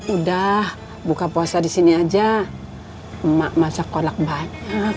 udah buka puasa di sini aja masak kolak banyak